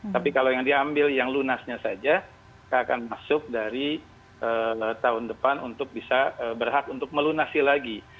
tapi kalau yang diambil yang lunasnya saja akan masuk dari tahun depan untuk bisa berhak untuk melunasi lagi